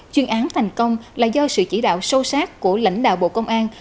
chuyên án thành công là do sự chỉ đạo sâu sát của lãnh đạo bộ công an